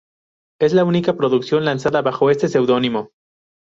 Es la única producción lanzada bajo este pseudónimo.